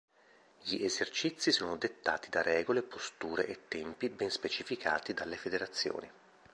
Gli esercizi sono dettati da regole, posture e tempi ben specificati dalle Federazioni.